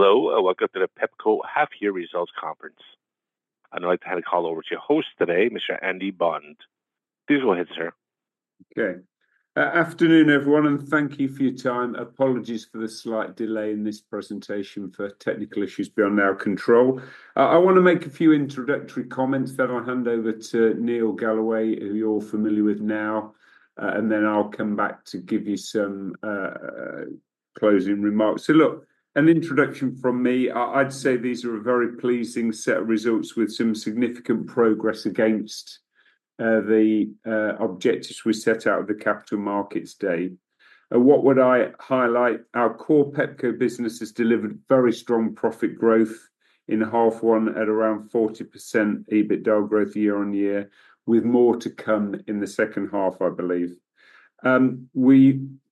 Hello, and welcome to the Pepco Half Year Results Conference. I'd like to hand the call over to your host today, Mr. Andy Bond. Please go ahead, sir. Okay. Afternoon, everyone, and thank you for your time. Apologies for the slight delay in this presentation for technical issues beyond our control. I wanna make a few introductory comments, then I'll hand over to Neil Galloway, who you're all familiar with now, and then I'll come back to give you some closing remarks. So look, an introduction from me. I'd say these are a very pleasing set of results with some significant progress against the objectives we set out at the Capital Markets Day. What would I highlight? Our core Pepco business has delivered very strong profit growth in half one at around 40% EBITDA growth year-over-year, with more to come in the second half, I believe.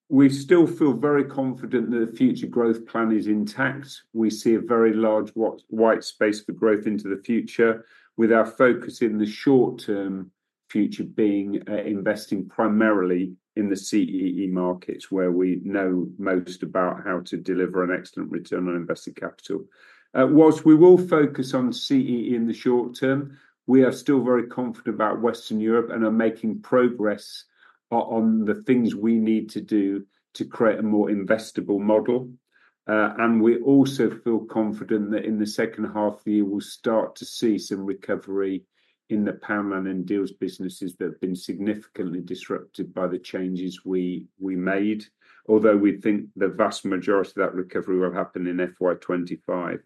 We still feel very confident that the future growth plan is intact. We see a very large white space for growth into the future, with our focus in the short-term future being investing primarily in the CEE markets, where we know most about how to deliver an excellent return on invested capital. While we will focus on CEE in the short term, we are still very confident about Western Europe and are making progress on the things we need to do to create a more investable model. And we also feel confident that in the second half of the year, we'll start to see some recovery in the Poundland and Dealz businesses that have been significantly disrupted by the changes we made, although we think the vast majority of that recovery will happen in FY25.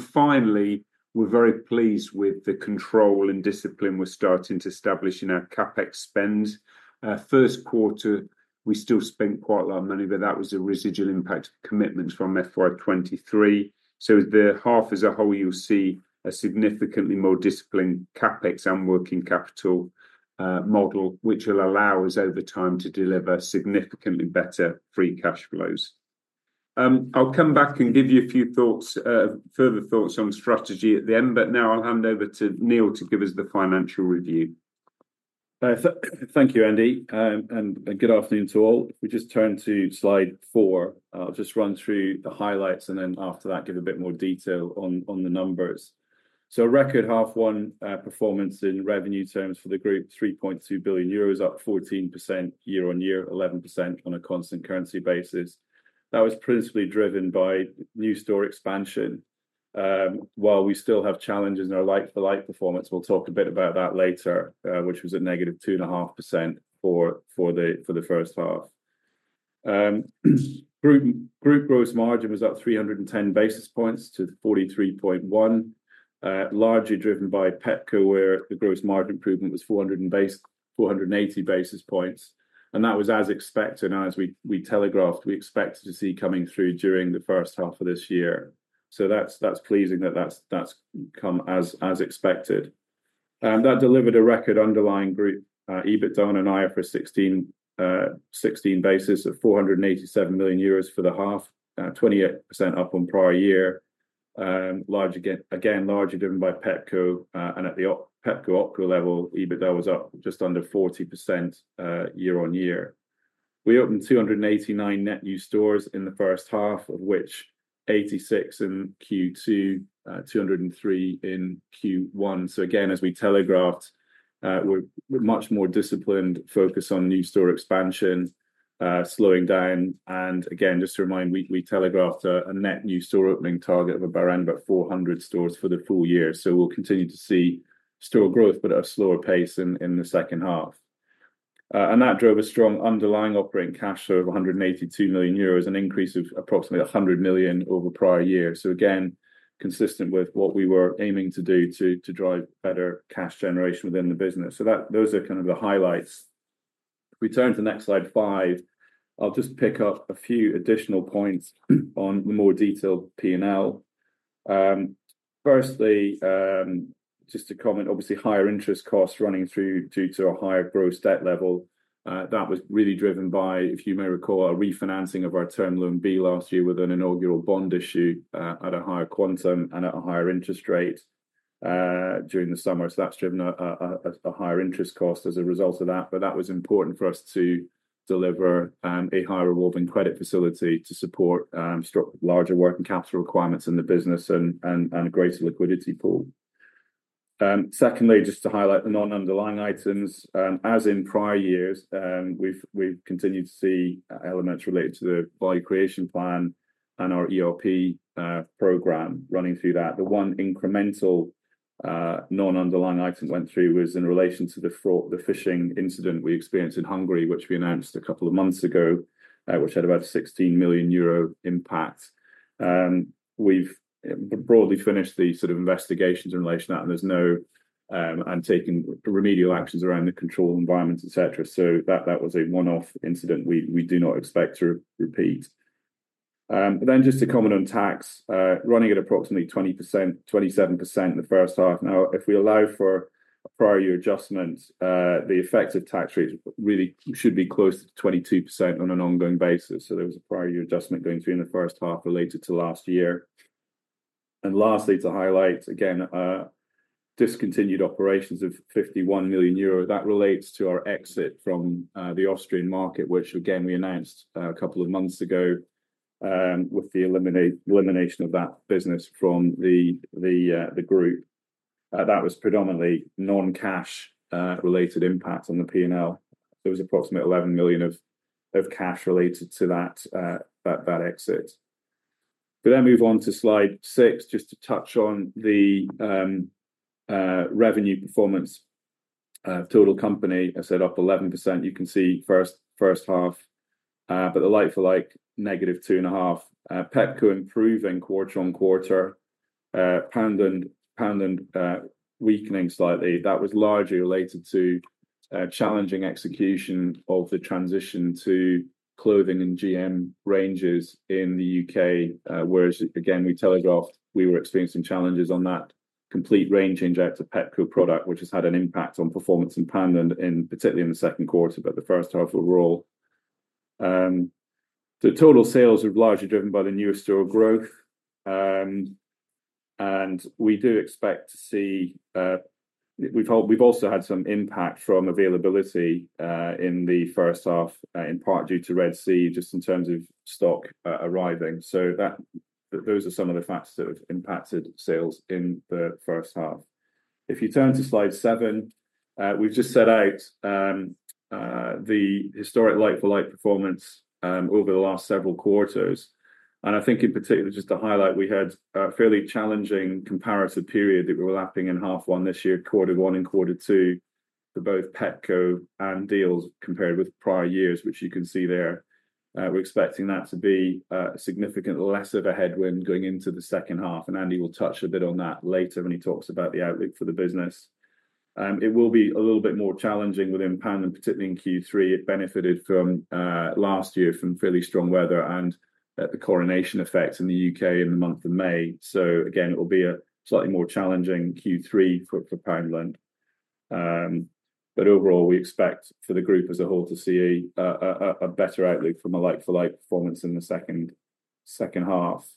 Finally, we're very pleased with the control and discipline we're starting to establish in our CapEx spend. First quarter, we still spent quite a lot of money, but that was a residual impact of commitments from FY23. So the half as a whole, you'll see a significantly more disciplined CapEx and working capital model, which will allow us over time to deliver significantly better free cash flows. I'll come back and give you a few thoughts, further thoughts on strategy at the end, but now I'll hand over to Neil to give us the financial review. Thank you, Andy, and good afternoon to all. If we just turn to Slide 4, I'll just run through the highlights and then after that, give a bit more detail on the numbers. So a record half one performance in revenue terms for the group, 3.2 billion euros, up 14% year-on-year, 11% on a constant currency basis. That was principally driven by new store expansion. While we still have challenges in our like-for-like performance, we'll talk a bit about that later, which was a negative 2.5% for the first half. Group gross margin was up 310 basis points to 43.1, largely driven by Pepco, where the gross margin improvement was 480 basis points, and that was as expected. And as we telegraphed, we expected to see coming through during the first half of this year. So that's pleasing that that's come as expected. That delivered a record underlying group EBITDA on an IFRS 16 basis of 487 million euros for the half, 28% up on prior year. Largely driven by Pepco, and at the Pepco OpCo level, EBITDA was up just under 40%, year-on-year. We opened 289 net new stores in the first half, of which 86 in Q2, 203 in Q1. So again, as we telegraphed, we're much more disciplined, focused on new store expansion, slowing down. And again, just to remind, we telegraphed a net new store opening target of around about 400 stores for the full year. So we'll continue to see store growth, but at a slower pace in the second half. And that drove a strong underlying operating cash flow of 182 million euros, an increase of approximately 100 million over prior year. So again, consistent with what we were aiming to do to drive better cash generation within the business. So that, those are kind of the highlights. If we turn to the next Slide 5, I'll just pick up a few additional points on the more detailed P&L. Firstly, just to comment, obviously, higher interest costs running through due to a higher gross debt level. That was really driven by, if you may recall, a refinancing of our Term Loan B last year with an inaugural bond issue, at a higher quantum and at a higher interest rate, during the summer. So that's driven a higher interest cost as a result of that, but that was important for us to deliver, a higher revolving credit facility to support, larger working capital requirements in the business and a greater liquidity pool. Secondly, just to highlight the non-underlying items. As in prior years, we've continued to see elements related to the Value Creation Plan and our ERP program running through that. The one incremental non-underlying items went through was in relation to the fraud, the phishing incident we experienced in Hungary, which we announced a couple of months ago, which had about 16 million euro impact. We've broadly finished the sort of investigations in relation to that, and taking remedial actions around the control environment, et cetera. So that was a one-off incident we do not expect to repeat. But then just to comment on tax, running at approximately 20%-27% in the first half. Now, if we allow for a prior year adjustment, the effective tax rate really should be close to 22% on an ongoing basis. So there was a prior year adjustment going through in the first half related to last year. And lastly, to highlight again, discontinued operations of 51 million euro. That relates to our exit from the Austrian market, which again, we announced a couple of months ago, with the elimination of that business from the group. That was predominantly non-cash related impact on the P&L. There was approximately 11 million of cash related to that exit. If we then move on to Slide 6, just to touch on the revenue performance, total company, I said up 11%, you can see first half, but the like-for-like, negative 2.5. Pepco improving quarter on quarter, Poundland weakening slightly. That was largely related to challenging execution of the transition to clothing and GM ranges in the U.K. Whereas again, we telegraphed we were experiencing challenges on that complete range change out to Pepco product, which has had an impact on performance in Poundland, particularly in the second quarter, but the first half overall. The total sales are largely driven by the new store growth, and we do expect to see we've also had some impact from availability in the first half, in part due to Red Sea, just in terms of stock arriving. So that those are some of the factors that have impacted sales in the first half. If you turn to Slide 7, we've just set out the historic like-for-like performance over the last several quarters. I think in particular, just to highlight, we had a fairly challenging comparative period that we were lapping in half one this year, quarter one and quarter two, for both Pepco and Dealz compared with prior years, which you can see there. We're expecting that to be significantly less of a headwind going into the second half, and Andy will touch a bit on that later when he talks about the outlook for the business. It will be a little bit more challenging within Poundland, particularly in Q3. It benefited, last year, from fairly strong weather and the Coronation effect in the U.K. in the month of May. Again, it will be a slightly more challenging Q3 for Poundland. But overall, we expect for the group as a whole to see a better outlook from a like-for-like performance in the second half.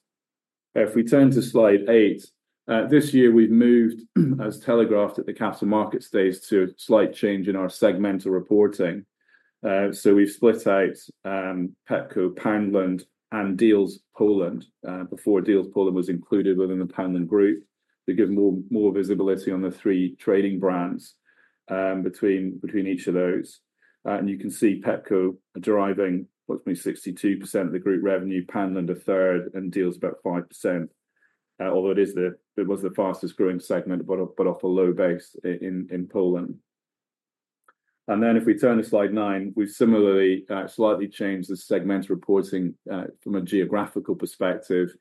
If we turn to Slide 8, this year, we've moved, as telegraphed at the Capital Markets Day, to a slight change in our segmental reporting. So we've split out Pepco, Poundland, and Dealz Poland. Before, Dealz Poland was included within the Poundland Group to give more visibility on the three trading brands between each of those. And you can see Pepco deriving what's maybe 62% of the group revenue, Poundland a third, and Dealz about 5%. Although it was the fastest growing segment, but off a low base in Poland. Then if we turn to Slide 9, we've similarly slightly changed the segment reporting from a geographical perspective,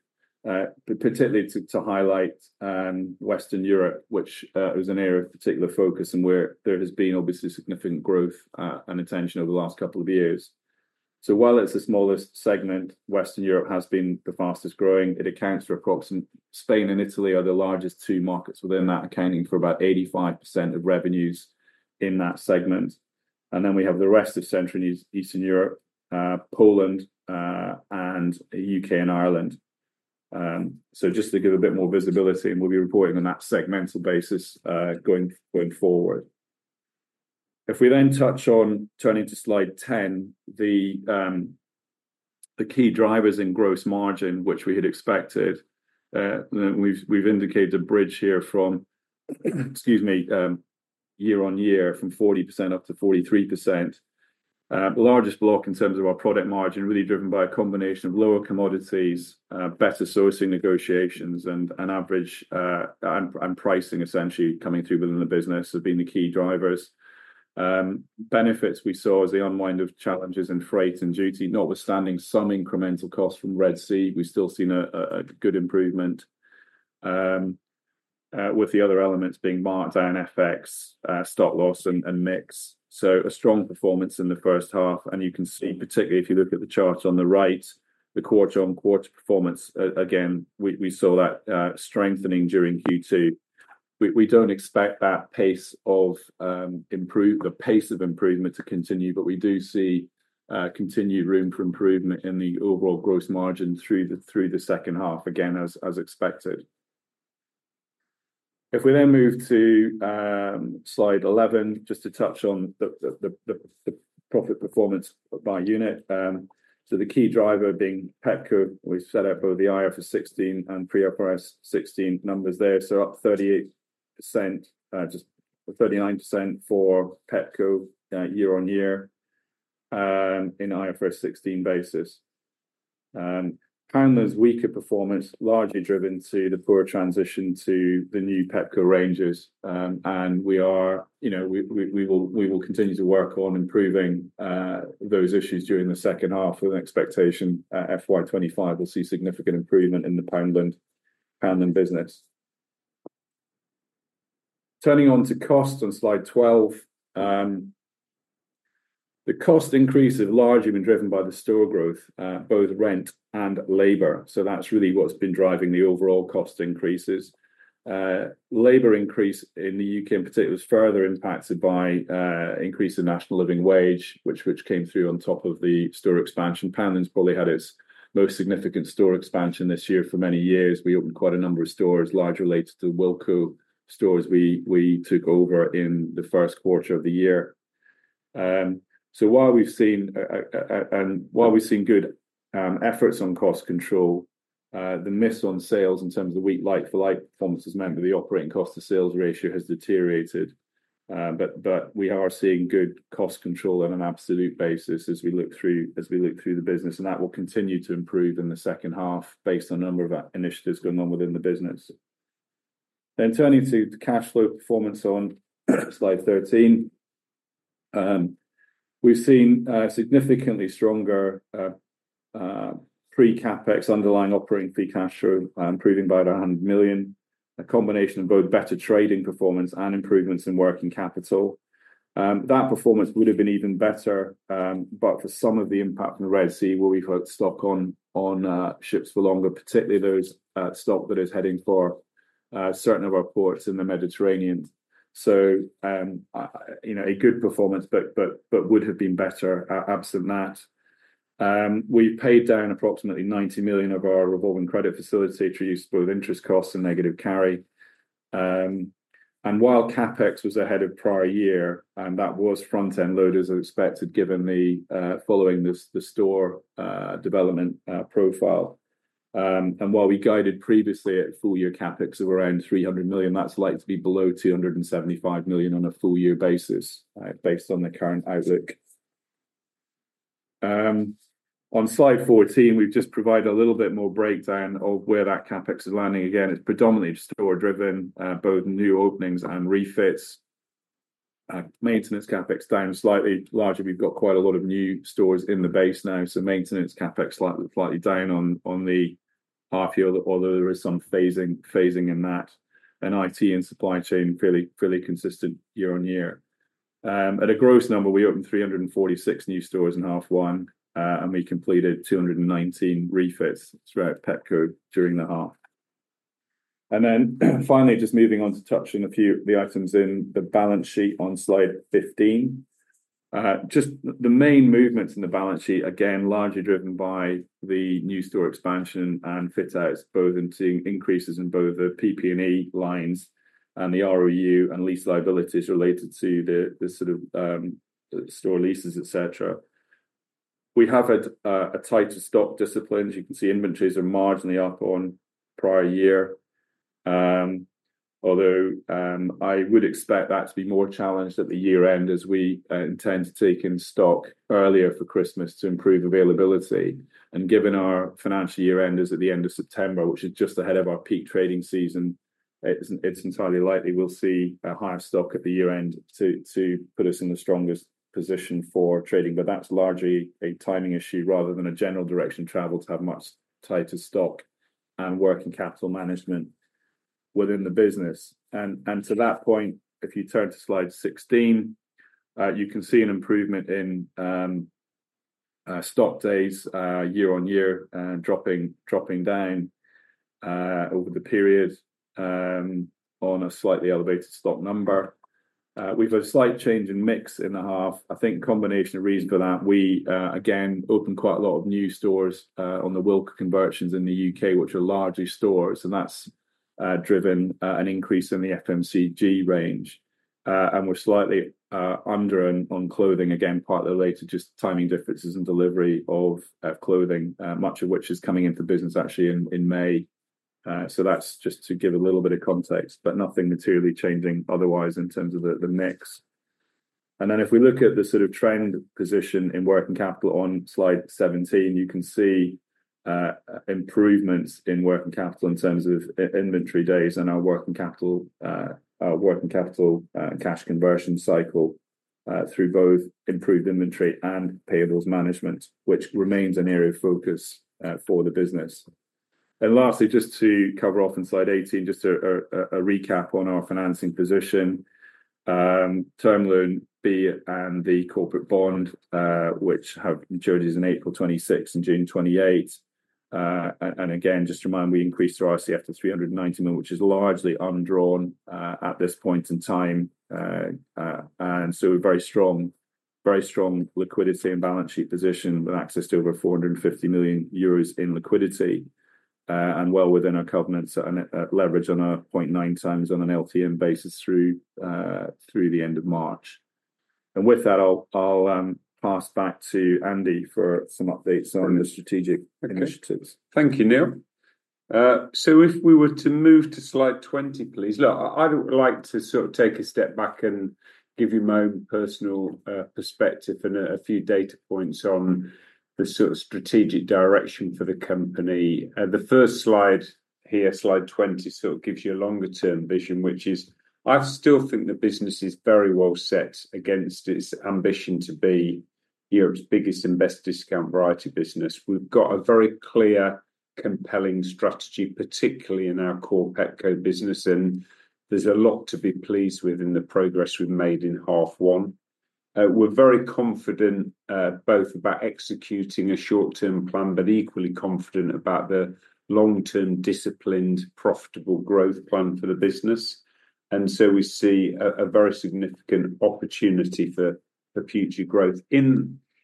particularly to highlight Western Europe, which is an area of particular focus and where there has been obviously significant growth and attention over the last couple of years. While it's the smallest segment, Western Europe has been the fastest growing. It accounts for approximately. Spain and Italy are the largest two markets within that, accounting for about 85% of revenues in that segment. We have the rest of Central and Eastern Europe, Poland, and U.K. and Ireland. Just to give a bit more visibility, and we'll be reporting on that segmental basis going forward. If we then touch on turning to Slide 10, the key drivers in gross margin, which we had expected, we've indicated a bridge here from, excuse me, year-on-year, from 40% up to 43%. The largest block in terms of our product margin, really driven by a combination of lower commodities, better sourcing negotiations, and an average, and pricing essentially coming through within the business have been the key drivers. Benefits we saw as the unwind of challenges in freight and duty, notwithstanding some incremental costs from Red Sea, we've still seen a good improvement, with the other elements being marked down FX, stock loss and mix. So a strong performance in the first half, and you can see, particularly if you look at the chart on the right, the quarter-on-quarter performance, again, we saw that strengthening during Q2. We don't expect that pace of the pace of improvement to continue, but we do see continued room for improvement in the overall gross margin through the second half, again, as expected. If we then move to Slide 11, just to touch on the profit performance by unit. So the key driver being Pepco, we've set out both the IFRS 16 and pre-IFRS 16 numbers there. So up 38%, just 39% for Pepco, year-on-year, in IFRS 16 basis. Poundland's weaker performance, largely due to the poor transition to the new Pepco ranges, and we are, you know, we will continue to work on improving those issues during the second half with an expectation, FY25 will see significant improvement in the Poundland, Poundland business. Turning to costs on Slide 12. The cost increases have largely been driven by the store growth, both rent and labor. So that's really what's been driving the overall cost increases. Labor increase in the U.K. in particular was further impacted by increase in National Living Wage, which came through on top of the store expansion. Poundland's probably had its most significant store expansion this year for many years. We opened quite a number of stores, largely related to Wilko stores we took over in the first quarter of the year. So while we've seen good efforts on cost control, the miss on sales in terms of the weak like-for-like performance, as mentioned, the operating cost to sales ratio has deteriorated. But we are seeing good cost control on an absolute basis as we look through the business, and that will continue to improve in the second half based on a number of initiatives going on within the business. Turning to the cash flow performance on Slide 13. We've seen significantly stronger pre-CapEx underlying operating free cash flow, improving by 100 million. A combination of both better trading performance and improvements in working capital. That performance would have been even better, but for some of the impact on the Red Sea, where we've held stock on ships for longer, particularly those stock that is heading for certain of our ports in the Mediterranean. So, you know, a good performance, but would have been better absent that. We paid down approximately 90 million of our revolving credit facility to reduce both interest costs and negative carry. And while CapEx was ahead of prior year, and that was front-end loaded as expected, given the following the store development profile. And while we guided previously at full year CapEx of around 300 million, that's likely to be below 275 million on a full year basis, based on the current outlook. On Slide 14, we've just provided a little bit more breakdown of where that CapEx is landing. Again, it's predominantly store driven, both new openings and refits. Maintenance CapEx down slightly larger. We've got quite a lot of new stores in the base now, so maintenance CapEx slightly, slightly down on, on the half year, although there is some phasing, phasing in that, and IT and supply chain, fairly, fairly consistent year on year. At a gross number, we opened 346 new stores in half one, and we completed 219 refits throughout Pepco during the half. Then, finally, just moving on to touching a few of the items in the balance sheet on Slide 15. Just the main movements in the balance sheet, again, largely driven by the new store expansion and fit outs, both in seeing increases in both the PP&E lines and the ROU and lease liabilities related to the, the sort of, store leases, et cetera. We have had a tighter stock discipline. As you can see, inventories are marginally up on prior year. Although, I would expect that to be more challenged at the year end, as we intend to take in stock earlier for Christmas to improve availability. And given our financial year end is at the end of September, which is just ahead of our peak trading season, it's entirely likely we'll see a higher stock at the year end to put us in the strongest position for trading. But that's largely a timing issue rather than a general direction of travel to have much tighter stock and working capital management within the business. And to that point, if you turn to Slide 16, you can see an improvement in stock days year-over-year dropping down over the period on a slightly elevated stock number. We've a slight change in mix in the half. I think combination of reasons for that, we again opened quite a lot of new stores on the Wilko conversions in the U.K., which are larger stores, and that's driven an increase in the FMCG range. And we're slightly under on clothing, again, partly related to just timing differences in delivery of clothing, much of which is coming into the business actually in May. So that's just to give a little bit of context, but nothing materially changing otherwise in terms of the mix. And then if we look at the sort of trend position in working capital on Slide 17, you can see improvements in working capital in terms of inventory days and our cash conversion cycle through both improved inventory and payables management, which remains an area of focus for the business. And lastly, just to cover off on Slide 18, just a recap on our financing position. Term Loan B and the corporate bond, which have maturities in April 2026 and June 2028. And again, just to remind, we increased our RCF to 390 million, which is largely undrawn at this point in time. and so a very strong, very strong liquidity and balance sheet position, with access to over 450 million euros in liquidity, and well within our covenants and, leverage on a 0.9x on an LTM basis through through the end of March. And with that, I'll, I'll, pass back to Andy for some updates on the strategic initiatives. Thank you, Neil. So if we were to move to Slide 20, please. Look, I would like to sort of take a step back and give you my own personal perspective and a few data points on the sort of strategic direction for the company. The first slide here, Slide 20, sort of gives you a longer term vision, which is I still think the business is very well set against its ambition to be Europe's biggest and best discount variety business. We've got a very clear, compelling strategy, particularly in our core Pepco business, and there's a lot to be pleased with in the progress we've made in half one.... We're very confident, both about executing a short-term plan, but equally confident about the long-term, disciplined, profitable growth plan for the business, and so we see a very significant opportunity for future growth.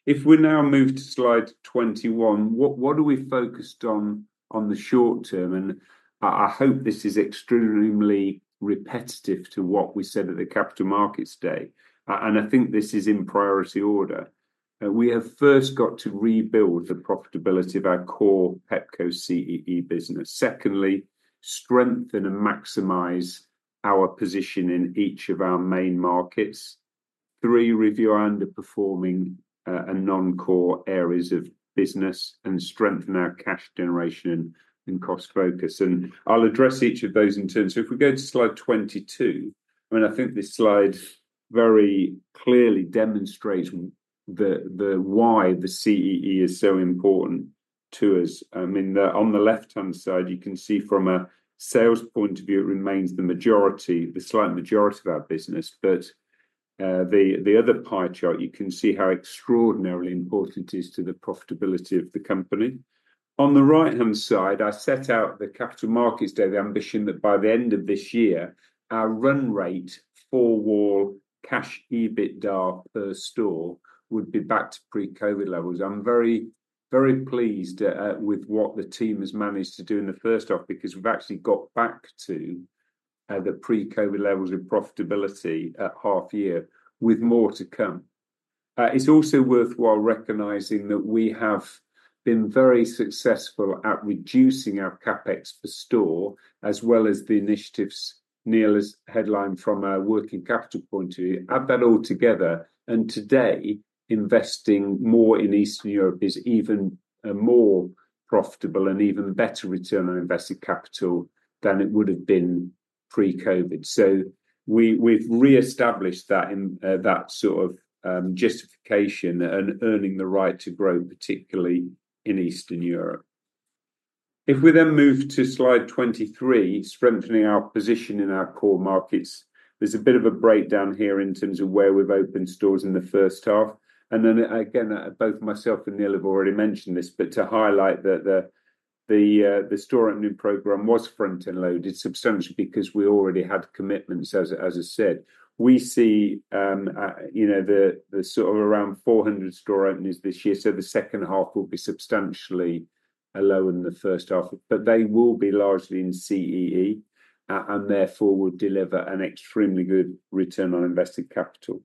If we now move to Slide 21, what are we focused on in the short term? And I hope this is extremely repetitive to what we said at the Capital Markets Day, and I think this is in priority order. We have first got to rebuild the profitability of our core Pepco CEE business. Secondly, strengthen and maximize our position in each of our main markets. Three, review our underperforming and non-core areas of business and strengthen our cash generation and cost focus, and I'll address each of those in turn. So if we go to Slide 22, I mean, I think this slide very clearly demonstrates the why the CEE is so important to us. I mean, on the left-hand side, you can see from a sales point of view, it remains the majority, the slight majority of our business, but the other pie chart, you can see how extraordinarily important it is to the profitability of the company. On the right-hand side, I set out the Capital Markets Day, the ambition that by the end of this year, our run rate Four-Wall Cash EBITDA per store would be back to pre-COVID levels. I'm very, very pleased at with what the team has managed to do in the first half, because we've actually got back to the pre-COVID levels of profitability at half year, with more to come. It's also worthwhile recognizing that we have been very successful at reducing our CapEx per store, as well as the initiatives Neil has headlined from a working capital point of view. Add that all together, and today, investing more in Eastern Europe is even more profitable and even better return on invested capital than it would've been pre-COVID. So we've reestablished that in that sort of justification and earning the right to grow, particularly in Eastern Europe. If we then move to Slide 23, strengthening our position in our core markets, there's a bit of a breakdown here in terms of where we've opened stores in the first half, and then again, both myself and Neil have already mentioned this, but to highlight that the store opening program was front-end loaded substantially because we already had commitments, as I, as I said. We see, you know, the sort of around 400 store openings this year, so the second half will be substantially lower than the first half, but they will be largely in CEE, and therefore will deliver an extremely good return on invested capital.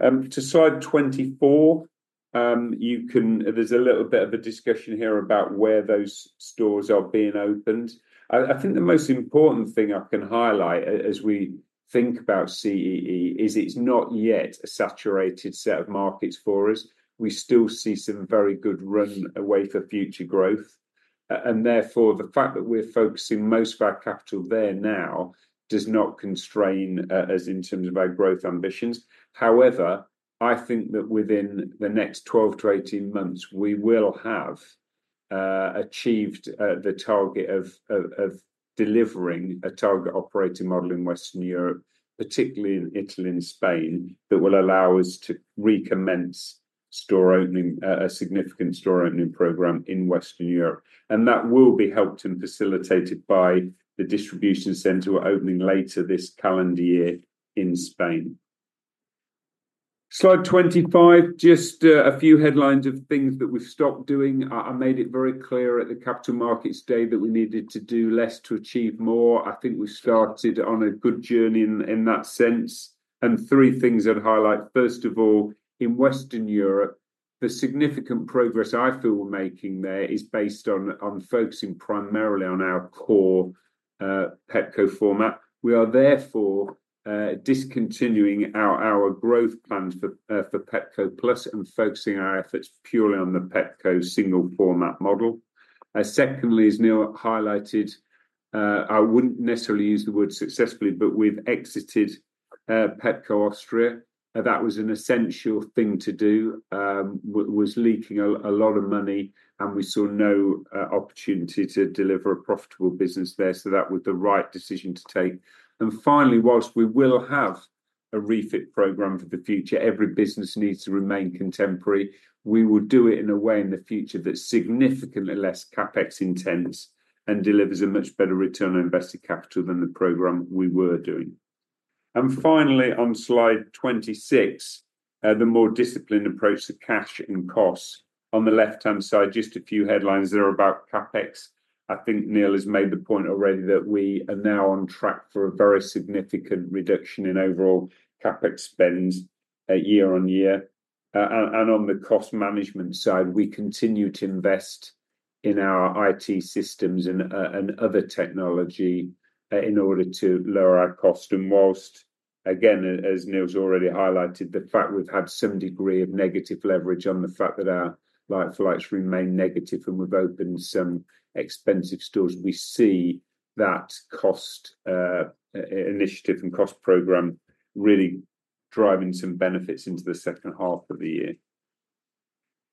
To Slide 24, you can... There's a little bit of a discussion here about where those stores are being opened. I think the most important thing I can highlight as we think about CEE is it's not yet a saturated set of markets for us. We still see some very good runway for future growth, and therefore, the fact that we're focusing most of our capital there now does not constrain us in terms of our growth ambitions. However, I think that within the next 12-18 months, we will have achieved the target of delivering a target operating model in Western Europe, particularly in Italy and Spain, that will allow us to recommence store opening a significant store opening program in Western Europe, and that will be helped and facilitated by the distribution center opening later this calendar year in Spain. Slide 25, just a few headlines of things that we've stopped doing. I made it very clear at the Capital Markets Day that we needed to do less to achieve more. I think we started on a good journey in that sense, and three things I'd highlight: first of all, in Western Europe, the significant progress I feel we're making there is based on focusing primarily on our core Pepco format. We are therefore discontinuing our growth plans for Pepco Plus and focusing our efforts purely on the Pepco single format model. Secondly, as Neil highlighted, I wouldn't necessarily use the word successfully, but we've exited Pepco Austria. That was an essential thing to do, which was leaking a lot of money, and we saw no opportunity to deliver a profitable business there, so that was the right decision to take. Finally, while we will have a refit program for the future, every business needs to remain contemporary. We will do it in a way in the future that's significantly less CapEx intense and delivers a much better return on invested capital than the program we were doing. Finally, on Slide 26, the more disciplined approach to cash and costs. On the left-hand side, just a few headlines that are about CapEx. I think Neil has made the point already that we are now on track for a very significant reduction in overall CapEx spend, year-over-year. And, and on the cost management side, we continue to invest in our IT systems and, and other technology, in order to lower our cost, and while, again, as Neil's already highlighted, the fact we've had some degree of negative leverage on the fact that our like-for-likes remain negative and we've opened some expensive stores, we see that cost initiative and cost program really driving some benefits into the second half of the year.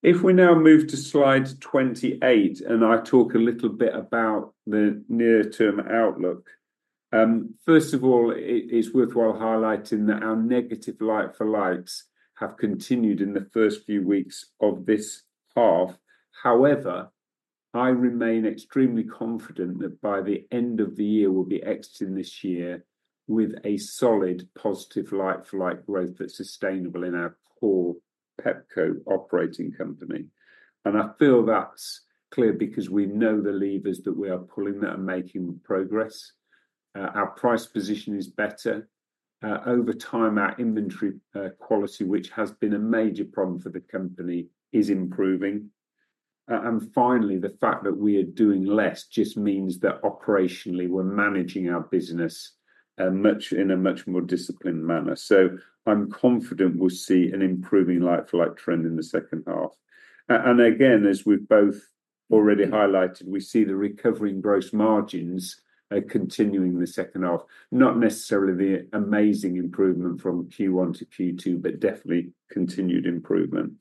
If we now move to Slide 28, and I talk a little bit about the near-term outlook. First of all, it is worthwhile highlighting that our negative like-for-likes have continued in the first few weeks of this half. However, I remain extremely confident that by the end of the year, we'll be exiting this year with a solid positive like-for-like growth that's sustainable in our core Pepco operating company. I feel that's clear because we know the levers that we are pulling, that are making progress. Our price position is better. Over time, our inventory quality, which has been a major problem for the company, is improving. And finally, the fact that we are doing less just means that operationally, we're managing our business much more in a disciplined manner. So I'm confident we'll see an improving like-for-like trend in the second half. And again, as we've both already highlighted, we see the recovery in gross margins continuing in the second half, not necessarily the amazing improvement from Q1 to Q2, but definitely continued improvement.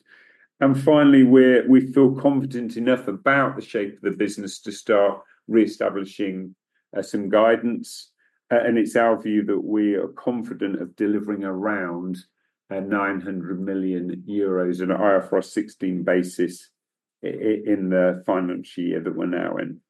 And finally, we feel confident enough about the shape of the business to start reestablishing some guidance. It's our view that we are confident of delivering around 900 million euros on an IFRS 16 basis in the financial year that we're now in.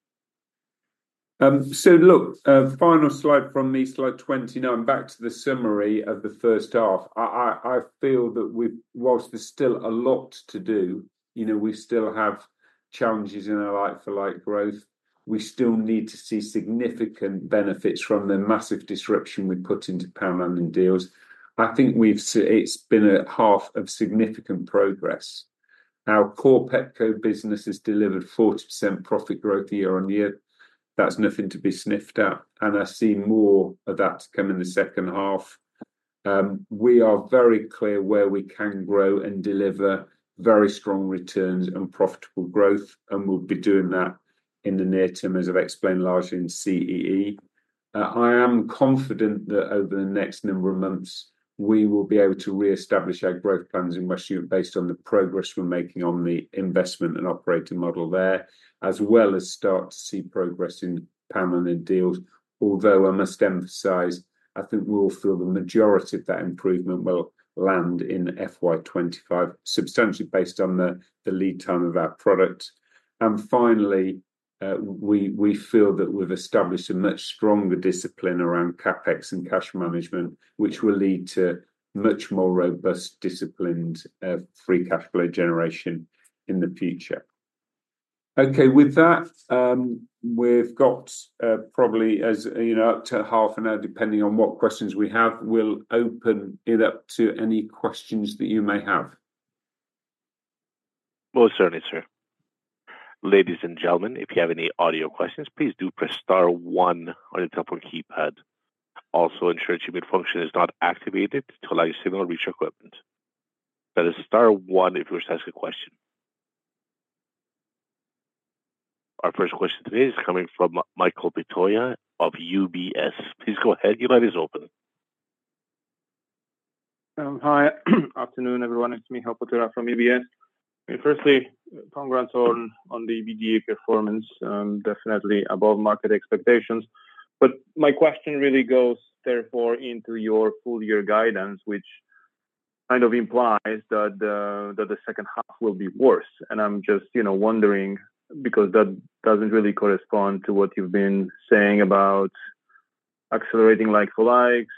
Look, final slide from me, Slide 29. Now I'm back to the summary of the first half. I feel that we've, while there's still a lot to do, you know, we still have challenges in our like-for-like growth. We still need to see significant benefits from the massive disruption we put into Poundland and Dealz. I think it's been a half of significant progress. Our core Pepco business has delivered 40% profit growth year-on-year. That's nothing to be sniffed at, and I see more of that to come in the second half. We are very clear where we can grow and deliver very strong returns and profitable growth, and we'll be doing that in the near term, as I've explained, largely in CEE. I am confident that over the next number of months, we will be able to reestablish our growth plans in Western Europe based on the progress we're making on the investment and operating model there, as well as start to see progress in Poundland and Dealz. Although I must emphasize, I think we all feel the majority of that improvement will land in FY25, substantially based on the lead time of our product. And finally, we feel that we've established a much stronger discipline around CapEx and cash management, which will lead to much more robust, disciplined, free cash flow generation in the future. Okay, with that, we've got, probably as you know, up to half an hour, depending on what questions we have. We'll open it up to any questions that you may have. Most certainly, sir. Ladies and gentlemen, if you have any audio questions, please do press star one on your telephone keypad. Also, ensure mute function is not activated to allow similar reach equipment. That is star one if you wish to ask a question. Our first question today is coming from Michał Potyra of UBS. Please go ahead. Your line is open. Hi. Afternoon, everyone. It's Michał Potyra from UBS. Firstly, congrats on the EBITDA performance, definitely above market expectations. But my question really goes, therefore, into your full year guidance, which kind of implies that the second half will be worse. And I'm just, you know, wondering, because that doesn't really correspond to what you've been saying about accelerating like-for-likes,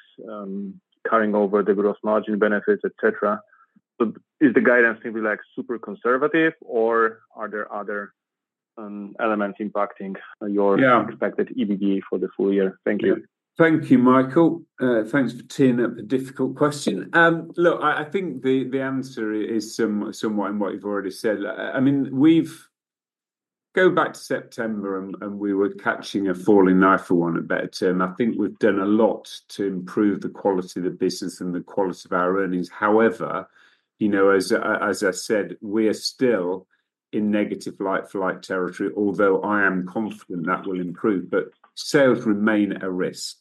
carrying over the gross margin benefits, et cetera. But is the guidance simply, like, super conservative, or are there other elements impacting your- Yeah... expected EBITDA for the full year? Thank you. Thank you, Michael. Thanks for teeing up a difficult question. Look, I think the answer is somewhat in what you've already said. I mean, we go back to September, and we were catching a falling knife for want of a better term. I think we've done a lot to improve the quality of the business and the quality of our earnings. However, you know, as I said, we are still in negative like-for-like territory, although I am confident that will improve, but sales remain a risk.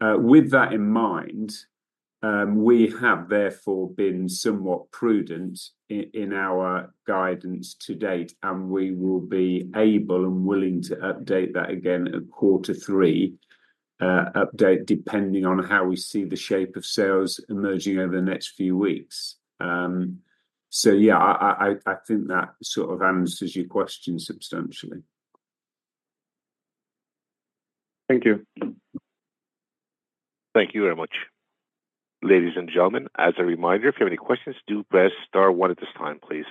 With that in mind, we have therefore been somewhat prudent in our guidance to date, and we will be able and willing to update that again at quarter three update, depending on how we see the shape of sales emerging over the next few weeks. So yeah, I think that sort of answers your question substantially. Thank you. Thank you very much. Ladies and gentlemen, as a reminder, if you have any questions, do press star one at this time, please.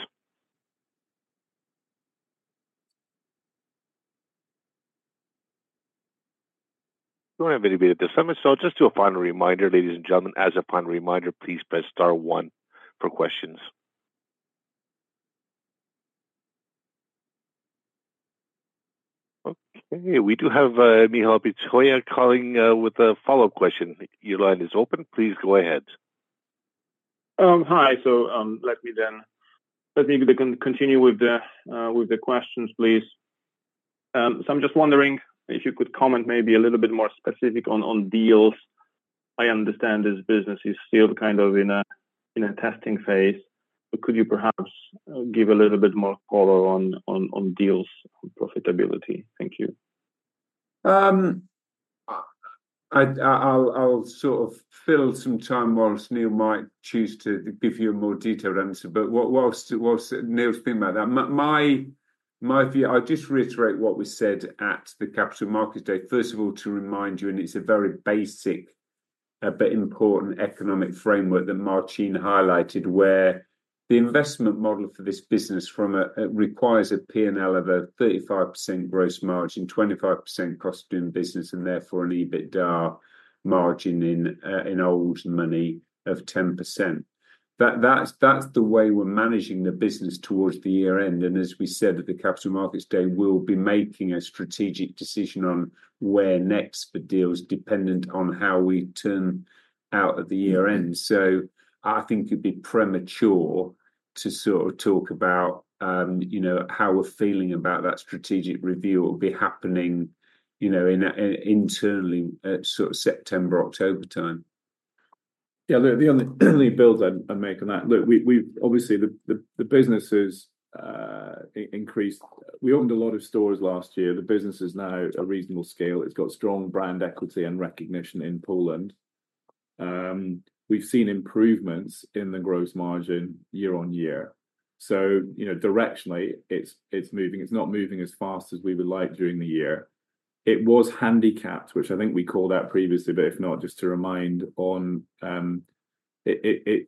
We don't have anybody at this time, so just do a final reminder, ladies and gentlemen, as a final reminder, please press star one for questions. Okay, we do have, Michał Potyra calling, with a follow-up question. Your line is open. Please go ahead. Hi. So, let me continue with the questions, please. So, I'm just wondering if you could comment maybe a little bit more specific on Dealz. I understand this business is still kind of in a testing phase, but could you perhaps give a little bit more color on Dealz profitability? Thank you. I'll sort of fill some time while Neil might choose to give you a more detailed answer, but while Neil's thinking about that, my view, I'll just reiterate what we said at the Capital Markets Day. First of all, to remind you, and it's a very basic, but important economic framework that Marcin highlighted, where the investment model for this business from a requires a P&L of a 35% gross margin, 25% cost of doing business, and therefore, an EBITDA margin in, in old money of 10%. That's the way we're managing the business towards the year end, and as we said at the Capital Markets Day, we'll be making a strategic decision on where next for Dealz, dependent on how we turn out at the year end. So I think it'd be premature to sort of talk about, you know, how we're feeling about that strategic review. It'll be happening, you know, in, internally at sort of September, October time. Yeah, the only build I'd make on that. Look, we've obviously the business has increased. We opened a lot of stores last year. The business is now a reasonable scale. It's got strong brand equity and recognition in Poland. We've seen improvements in the gross margin year-over-year. So, you know, directionally, it's moving. It's not moving as fast as we would like during the year. It was handicapped, which I think we called out previously, but if not, just to remind on, it,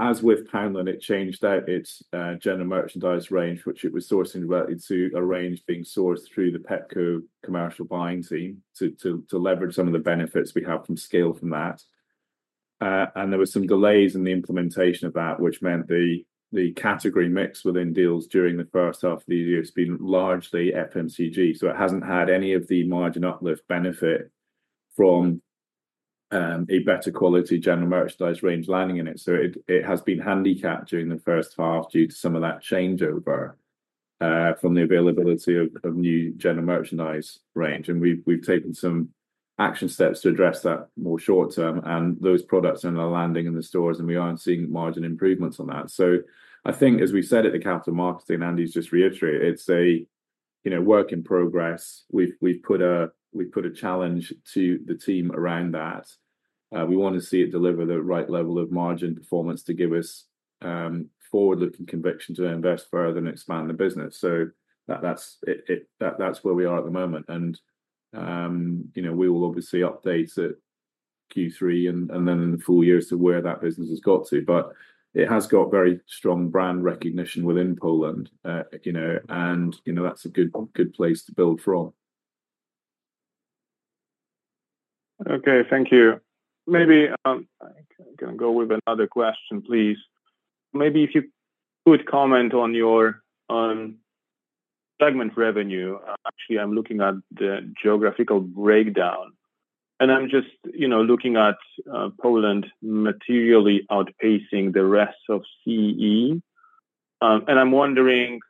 as with Poundland, it changed out its general merchandise range, which it was sourcing relative to a range being sourced through the Pepco commercial buying team, to leverage some of the benefits we have from scale from that. And there were some delays in the implementation of that, which meant the category mix within Dealz during the first half of the year has been largely FMCG. So it hasn't had any of the margin uplift benefit from a better quality general merchandise range landing in it. So it has been handicapped during the first half due to some of that changeover from the availability of new general merchandise range, and we've taken some action steps to address that more short term, and those products are now landing in the stores, and we are seeing margin improvements on that. So I think as we said at the capital markets, and Andy's just reiterated, it's a, you know, work in progress. We've put a challenge to the team around that. We want to see it deliver the right level of margin performance to give us, forward-looking conviction to invest further and expand the business. So that's where we are at the moment, and, you know, we will obviously update at Q3 and then in the full year as to where that business has got to, but it has got very strong brand recognition within Poland. You know, and, you know, that's a good place to build from. Okay. Thank you. Maybe, I'm gonna go with another question, please. Maybe if you could comment on your, on segment revenue. Actually, I'm looking at the geographical breakdown, and I'm just, you know, looking at, Poland materially outpacing the rest of CE. And I'm wondering,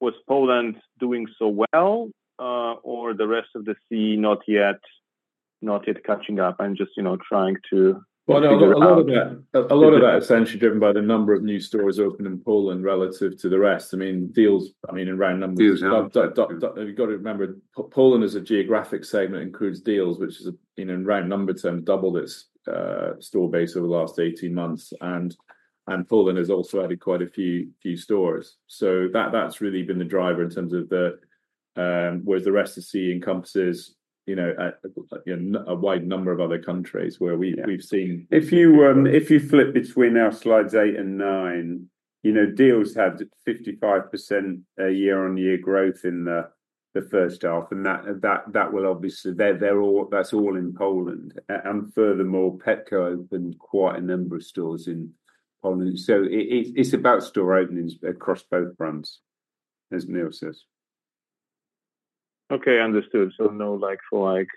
was Poland doing so well, or the rest of the CE not yet, not yet catching up? I'm just, you know, trying to- Well, no, a lot of that, a lot of that is essentially driven by the number of new stores opened in Poland relative to the rest. I mean, Dealz, I mean, in round numbers- Dealz, yeah. You've got to remember, Poland as a geographic segment, includes Dealz, which is, in round number terms, doubled its store base over the last 18 months, and, and Poland has also added quite a few, few stores. So that, that's really been the driver in terms of the whereas the rest of CE encompasses, you know, a, a wide number of other countries where we've, we've seen- If you flip between now Slides 8 and 9, you know, Dealz had 55% year-on-year growth in the first half, and that will obviously... They're all- that's all in Poland. And furthermore, Pepco opened quite a number of stores in Poland. So it's about store openings across both brands, as Neil says. Okay, understood. So no like for like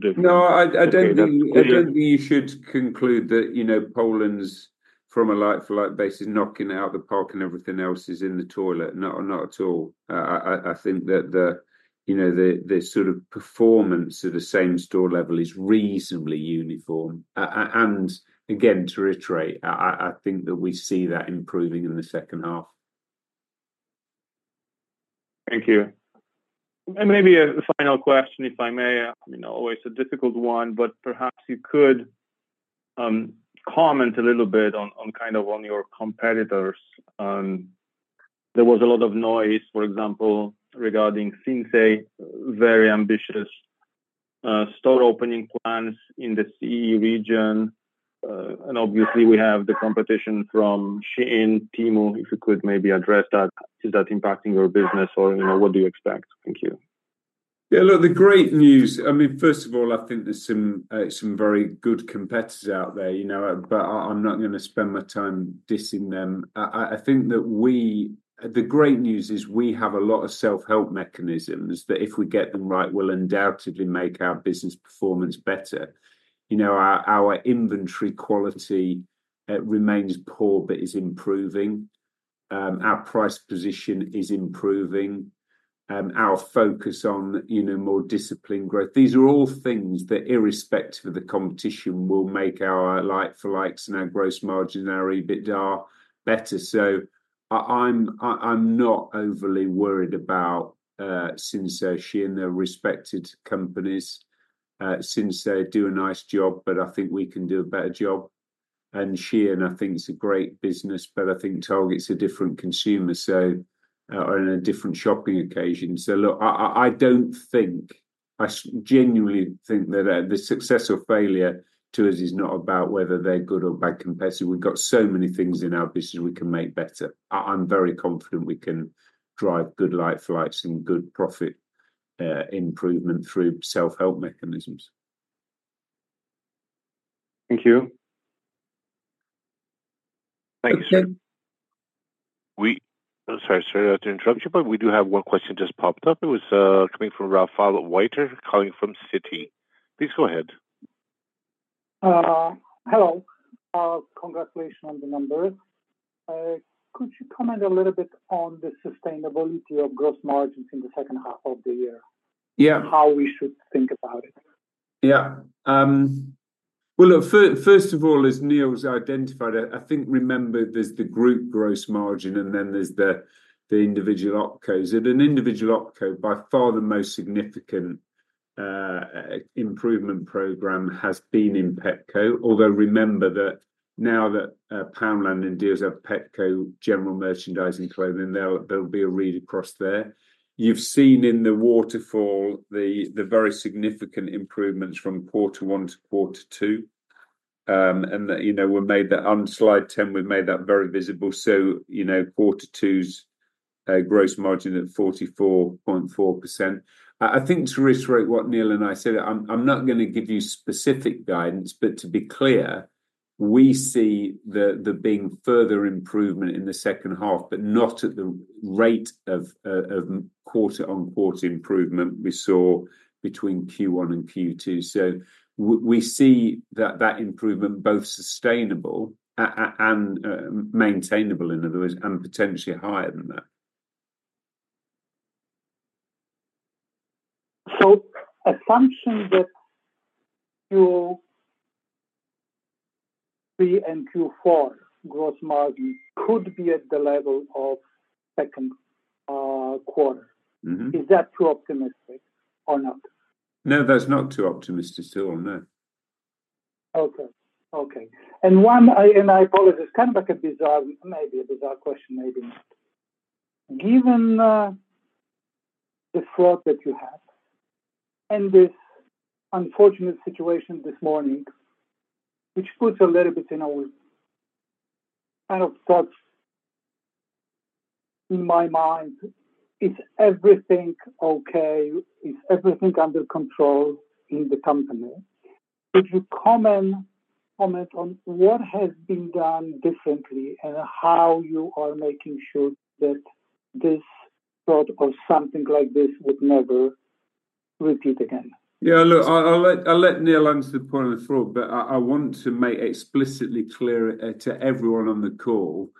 difference. No, I don't think- Okay. I don't think you should conclude that, you know, Poland's, from a like-for-like basis, knocking it out of the park and everything else is in the toilet. Not at all. I think that the, you know, the sort of performance at the same store level is reasonably uniform. And again, to reiterate, I think that we see that improving in the second half. Thank you. And maybe a final question, if I may. I mean, always a difficult one, but perhaps you could comment a little bit on, on kind of on your competitors. There was a lot of noise, for example, regarding Sinsay, very ambitious store opening plans in the CE region, and obviously, we have the competition from Shein, Temu. If you could maybe address that. Is that impacting your business or, you know, what do you expect? Thank you. Yeah, look, the great news, I mean, first of all, I think there's some very good competitors out there, you know, but I, I'm not gonna spend my time dissing them. I think that we... The great news is we have a lot of self-help mechanisms that if we get them right, will undoubtedly make our business performance better. You know, our inventory quality remains poor, but is improving. Our price position is improving, our focus on, you know, more disciplined growth. These are all things that irrespective of the competition, will make our like for likes and our gross margin, our EBITDA better. So I'm not overly worried about Sinsay, they're respected companies. Sinsay do a nice job, but I think we can do a better job. Shein, I think is a great business, but I think Target's a different consumer, so, or in a different shopping occasion. So look, I don't think, I genuinely think that the success or failure to us is not about whether they're good or bad competition. We've got so many things in our business we can make better. I'm very confident we can drive good like-for-likes and good profit improvement through self-help mechanisms. Thank you. Thanks. Sorry, sorry to interrupt you, but we do have one question just popped up. It was coming from Rafał Wiatr, calling from Citi. Please go ahead. Hello. Congratulations on the numbers. Could you comment a little bit on the sustainability of gross margins in the second half of the year? Yeah. How we should think about it? Yeah. Well, look, first of all, as Neil's identified, I think remember, there's the group gross margin, and then there's the individual OpCos. At an individual OpCo, by far the most significant improvement program has been in Pepco. Although, remember that now that Poundland and Dealz have Pepco general merchandising clothing, there'll be a read across there. You've seen in the waterfall the very significant improvements from quarter one to quarter two. And that, you know, we made that on Slide 10, we've made that very visible. So, you know, quarter two's gross margin at 44.4%. I think to reiterate what Neil and I said, I'm not gonna give you specific guidance, but to be clear, we see there being further improvement in the second half, but not at the rate of quarter on quarter improvement we saw between Q1 and Q2. So we see that improvement both sustainable and maintainable, in other words, and potentially higher than that. Assumption that Q3 and Q4 gross margin could be at the level of second quarter. Is that too optimistic or not? No, that's not too optimistic at all, no. Okay. Okay. And one, and I apologize, kind of like a bizarre, maybe a bizarre question, maybe not. Given the fraud that you have and this unfortunate situation this morning, which puts a little bit in our kind of thoughts in my mind, is everything okay? Is everything under control in the company? Could you comment, comment on what has been done differently, and how you are making sure that this fraud or something like this would never repeat again? Yeah, look, I'll let Neil answer the point on the fraud, but I want to make explicitly clear to everyone on the call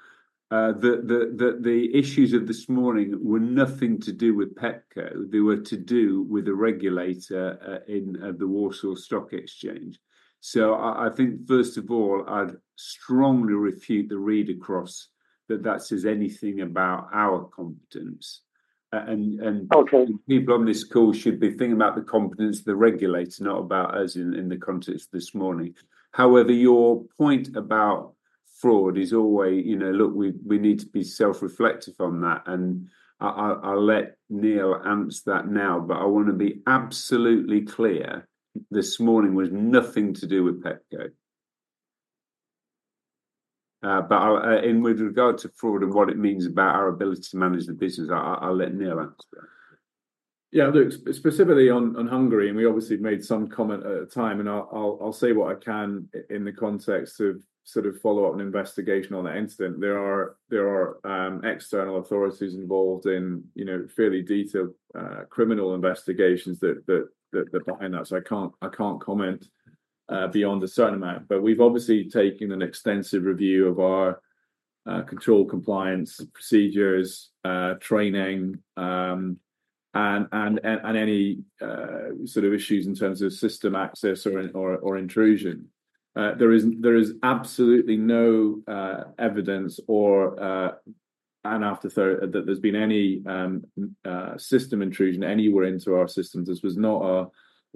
that the issues of this morning were nothing to do with Pepco. They were to do with the regulator in the Warsaw Stock Exchange. So I think, first of all, I'd strongly refute the read across that says anything about our competence. And- Okay. People on this call should be thinking about the competence of the regulators, not about us in the context this morning. However, your point about fraud is always, you know, look, we need to be self-reflective on that, and I'll let Neil answer that now, but I wanna be absolutely clear, this morning was nothing to do with Pepco. But I'll, and with regard to fraud and what it means about our ability to manage the business, I'll let Neil answer that. Yeah, look, specifically on Hungary, and we obviously made some comment at the time, and I'll say what I can in the context of sort of follow-up and investigation on that incident. There are external authorities involved in, you know, fairly detailed criminal investigations that behind us. I can't comment beyond a certain amount, but we've obviously taken an extensive review of our control, compliance, procedures, training, and any sort of issues in terms of system access or intrusion. There is absolutely no evidence or an afterthought that there's been any system intrusion anywhere into our systems. This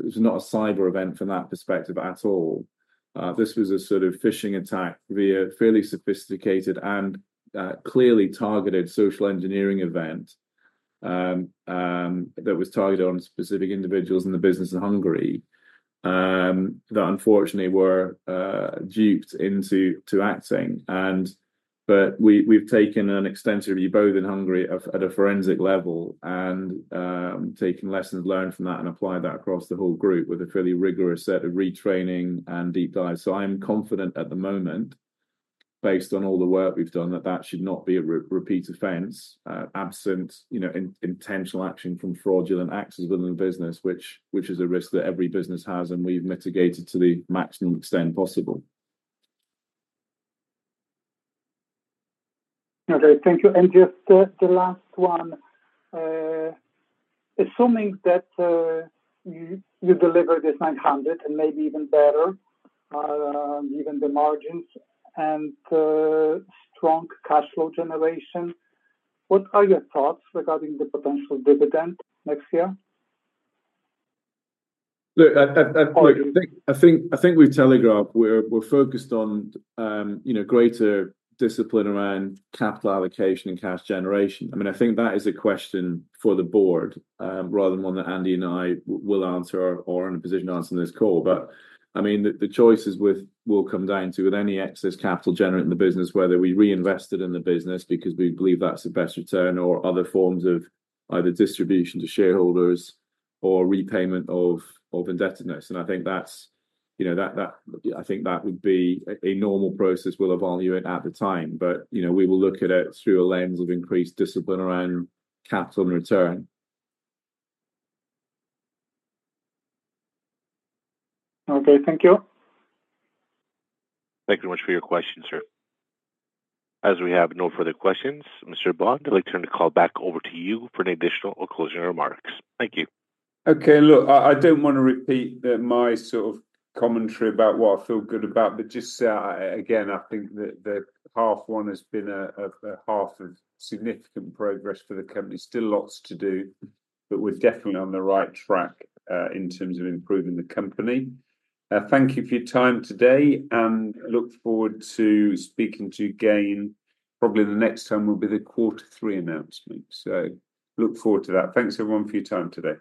was not a cyber event from that perspective at all. This was a sort of phishing attack via fairly sophisticated and clearly targeted social engineering event that was targeted on specific individuals in the business in Hungary that unfortunately were duped into acting. But we've taken an extensive review, both in Hungary at a forensic level, and taken lessons learned from that and applied that across the whole group with a fairly rigorous set of retraining and deep dives. So I'm confident at the moment, based on all the work we've done, that that should not be a repeat offense, absent, you know, intentional action from fraudulent actors within the business, which is a risk that every business has, and we've mitigated to the maximum extent possible. Okay, thank you. Just the last one. Assuming that you deliver this 900 and maybe even better, even the margins and strong cash flow generation, what are your thoughts regarding the potential dividend next year? Look, I think we've telegraphed we're focused on, you know, greater discipline around capital allocation and cash generation. I mean, I think that is a question for the board, rather than one that Andy and I will answer or are in a position to answer on this call. But, I mean, the choices will come down to, with any excess capital generated in the business, whether we reinvest it in the business because we believe that's the best return or other forms of either distribution to shareholders or repayment of indebtedness. And I think that's, you know, that I think that would be a normal process we'll evaluate at the time. But, you know, we will look at it through a lens of increased discipline around capital and return. Okay, thank you. Thank you very much for your questions, sir. As we have no further questions, Mr. Bond, I'd like to turn the call back over to you for any additional or closing remarks. Thank you. Okay. Look, I don't want to repeat the my sort of commentary about what I feel good about, but just, again, I think that the half one has been a half of significant progress for the company. Still lots to do, but we're definitely on the right track in terms of improving the company. Thank you for your time today, and I look forward to speaking to you again. Probably the next time will be the quarter three announcement, so look forward to that. Thanks, everyone, for your time today.